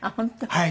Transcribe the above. はい。